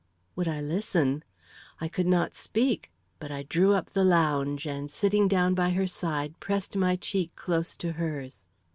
Would I listen? I could not speak, but I drew up the lounge, and sitting down by her side, pressed my cheek close to hers.